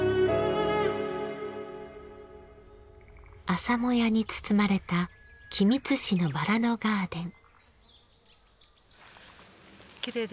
朝もやに包まれた君津市のバラのガーデン。